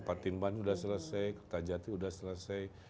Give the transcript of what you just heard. partimban udah selesai ketajati udah selesai